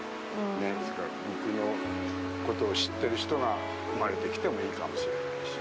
ねっそれから僕のことを知ってる人が生まれてきていいかもしれないし。